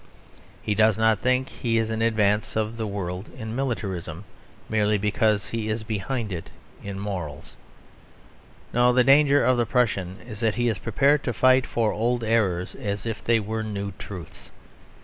He does not think he is in advance of the world in militarism, merely because he is behind it in morals. No; the danger of the Pruss is that he is prepared to fight for old errors as if they were new truths.